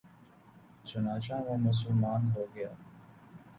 چنانچہ وہ مسلمان ہو گیا